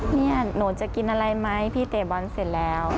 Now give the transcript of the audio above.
เนี่ยหนูจะกินอะไรไหมพี่เตะบอลเสร็จแล้ว